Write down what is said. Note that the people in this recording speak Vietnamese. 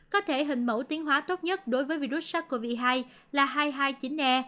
có thể hình mẫu tiến hóa tốt nhất đối với virus sars cov hai là hai trăm hai mươi chín e